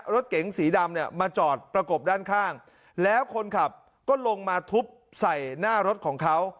รถเก๋งสีดำเนี่ยมาจอดประกบด้านข้างแล้วคนขับก็ลงมาทุบใส่หน้ารถของเขา